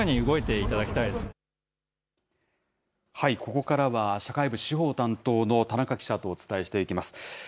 ここからは、社会部司法担当の田中記者とお伝えしていきます。